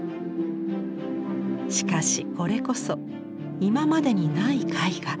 しかしこれこそ今までにない絵画。